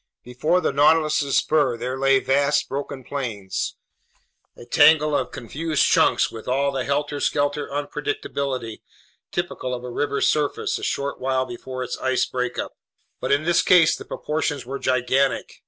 Before the Nautilus's spur there lay vast broken plains, a tangle of confused chunks with all the helter skelter unpredictability typical of a river's surface a short while before its ice breakup; but in this case the proportions were gigantic.